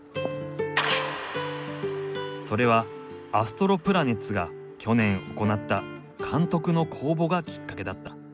それはアストロプラネッツが去年行った監督の公募がきっかけだった。